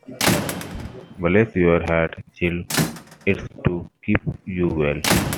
Bless your heart, child, it's to keep you well.